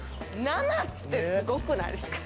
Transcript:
生ってすごくないっすか？